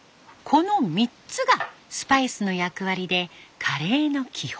この３つがスパイスの役割でカレーの基本。